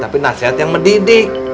tapi nasihat yang mendidik